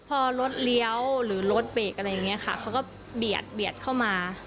พอรถเลี้ยวหรือรถเบรกอะไรอย่างเงี้ยค่ะเขาก็เบียดเบียดเข้ามา